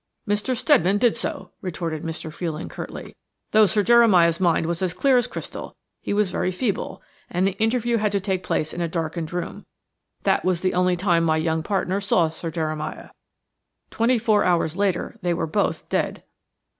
"Mr. Steadman did so," retorted Mr. Fuelling, curtly. "Though Sir Jeremiah's mind was as clear as crystal, he was very feeble, and the interview had to take place in a darkened room. That was the only time my young partner saw Sir Jeremiah. Twenty four hours later they were both dead."